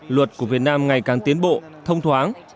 luật của việt nam ngày càng tiến bộ thông thoáng